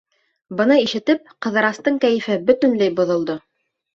Быны ишетеп, Ҡыҙырастың кәйефе бөтөнләй боҙолдо.